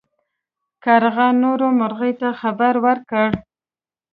کارغه نورو مرغیو ته خبر ورکړ.